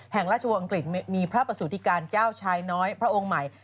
แห่งราชวงศังกฤษมีพระประสุทธิการเจ้าชายน้อยพระองค์ใหม่